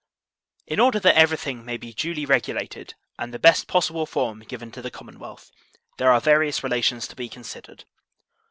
In order that eveiything may be duly regulated and the best possible form given to the commonwealth, there are various relations to be considered.